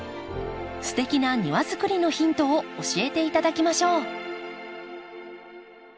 すてきな庭づくりのヒントを教えていただきましょう。